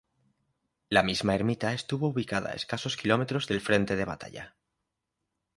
La misma ermita estuvo ubicada a escasos kilómetros del frente de batalla.